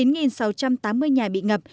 chín sáu trăm tám mươi nhà bị ngập